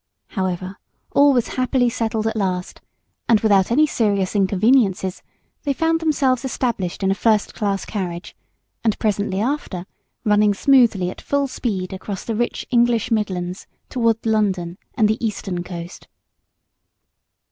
However all was happily settled at last; and without any serious inconveniences they found themselves established in a first class carriage, and presently after running smoothly at full speed across the rich English midlands toward London and the eastern coast.